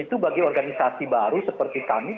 itu bagi organisasi baru seperti kami